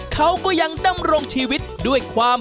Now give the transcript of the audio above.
เขาก็ยังดำรงชีวิตด้วยความ